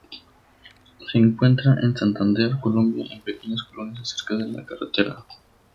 Se encuentra en Santander, Colombia en pequeñas colonias cerca de la carretera.